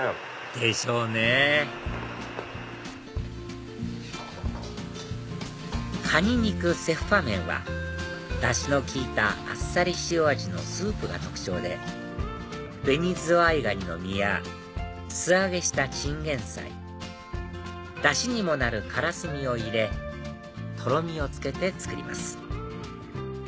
でしょうね蟹肉雪花麺はダシの効いたあっさり塩味のスープが特徴でベニズワイガニの身や素揚げしたチンゲンサイダシにもなるカラスミを入れとろみをつけて作ります